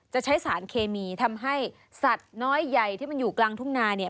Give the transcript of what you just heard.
ใช้สารเคมีทำให้สัตว์น้อยใหญ่ที่มันอยู่กลางทุ่งนาเนี่ย